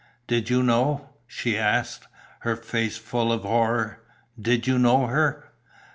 "Did you know?" she asked, her face full of horror. "Did you know her?"